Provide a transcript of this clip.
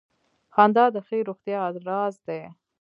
• خندا د ښې روغتیا راز دی.